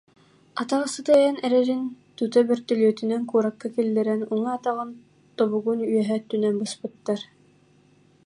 Атаҕа сытыйан эрэрин тута бөртөлүөтүнэн куоракка киллэрэн, уҥа атаҕын тобугун үөһээ өттүнэн быспыттар